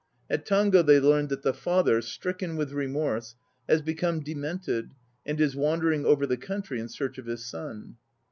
At Tango they learn that the father, stricken with remorse, has become demented and is wandering over the country in search of his son.